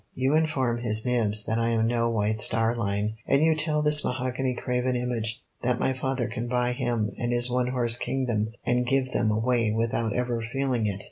"You inform His Nibs that I am no White Star Line, and you tell this mahogany graven image that my father can buy him and his one horse kingdom and give them away without ever feeling it.